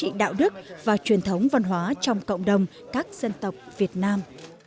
chính trị đạo đức và truyền thống văn hóa trong cộng đồng các dân tộc việt nam